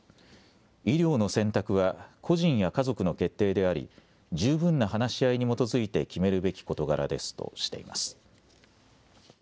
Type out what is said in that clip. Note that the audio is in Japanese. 医療の選択は個人や家族の決定であり十分な話し合いに基づいて決めるべき事柄ですとしています。